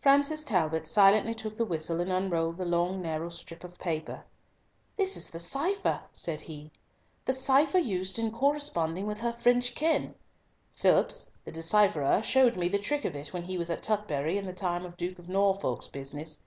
Francis Talbot silently took the whistle and unrolled the long narrow strip of paper. "This is the cipher," said he, "the cipher used in corresponding with her French kin; Phillipps the decipherer showed me the trick of it when he was at Tutbury in the time of the Duke of Norfolk's business.